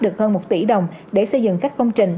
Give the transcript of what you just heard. được hơn một tỷ đồng để xây dựng các công trình